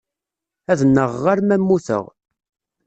Ad nnaɣeɣ arma mmuteɣ.